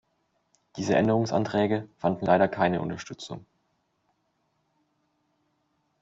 Diese Änderungsanträge fanden leider keine Unterstützung.